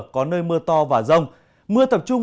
có nơi mưa to và rông mưa tập trung